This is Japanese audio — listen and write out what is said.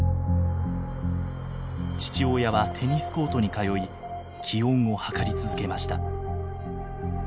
父親はテニスコートに通い気温を測り続けました。